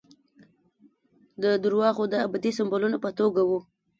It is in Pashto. د درواغو د ابدي سمبولونو په توګه وو.